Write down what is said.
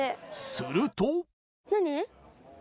すると何？